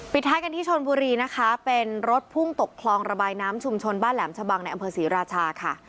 ท้ายกันที่ชนบุรีนะคะเป็นรถพุ่งตกคลองระบายน้ำชุมชนบ้านแหลมชะบังในอำเภอศรีราชาค่ะ